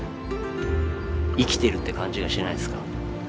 生きてるって感じがしないっすか？